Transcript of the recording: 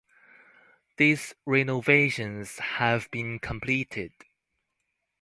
These renovations have been completed.